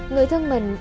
người thân mình